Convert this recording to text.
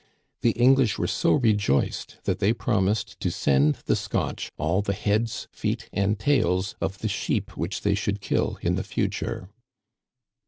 The English were so rejoiced that they promised to send the Scotch all the heads, feet, and tails of the sheep which they should kill in the future."